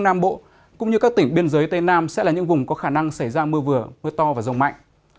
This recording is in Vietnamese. nam bộ cũng như các tỉnh biên giới tây nam sẽ là những vùng có khả năng xảy ra mưa vừa mưa to và rông mạnh